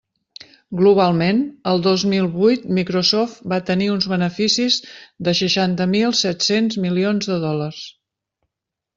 Globalment, el dos mil vuit Microsoft va tenir uns beneficis de seixanta mil set-cents milions de dòlars.